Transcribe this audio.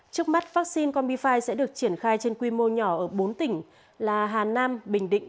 trước mắt vaccine combifi sẽ được triển khai trên quy mô nhỏ ở bốn tỉnh là hà nam bình định